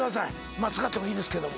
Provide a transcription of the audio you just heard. まあ使ってもいいですけども。